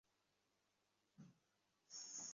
চাচ্চুকে মেরো না।